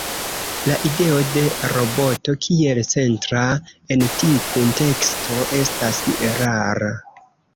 La ideo de roboto kiel centra en tiu kunteksto estas erara.